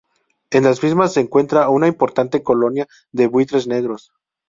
En la misma se encuentra una importante colonia de buitres negros.